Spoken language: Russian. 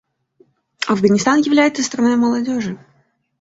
Афганистан является страной молодежи.